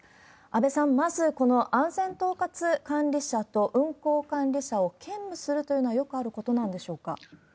安倍さん、まずこの安全統括管理者と、運航管理者を兼務するというのはよくあることなんでしょうか？